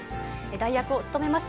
代役を務めます。